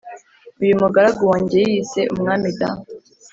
uyu mugaragu wanjye yiyise umwami da